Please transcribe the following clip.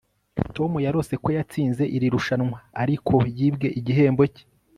tom yarose ko yatsinze iri rushanwa, ariko ko yibwe igihembo cye